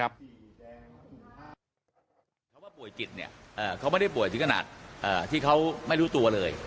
บ่อยจิตเนี่ยเอ่อเขาไม่ได้บ่อยถึงขนาดเอ่อที่เขาไม่รู้ตัวเลย